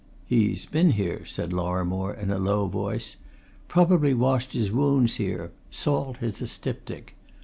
"He's been here," said Lorrimore in a low voice. "Probably washed his wounds here salt is a styptic.